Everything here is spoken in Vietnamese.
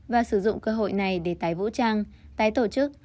và sử dụng cơ hội này để tái vũ trang tái tổ chức